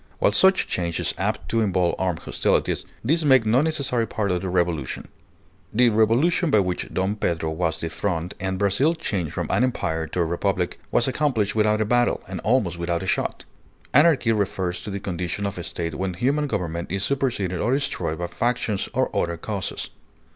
while such change is apt to involve armed hostilities, these make no necessary part of the revolution. The revolution by which Dom Pedro was dethroned, and Brazil changed from an empire to a republic, was accomplished without a battle, and almost without a shot. Anarchy refers to the condition of a state when human government is superseded or destroyed by factions or other causes.